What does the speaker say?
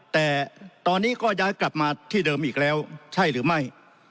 แต่ตอนนี้ก็ย้ายกลับมาที่เดิมอีกแล้วใช่หรือไม่